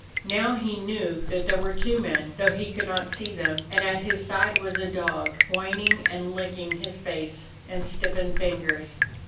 Now he knew that there were two men, though he could not see them, and at his side was a dog, whining and licking his face and stiffened fingers.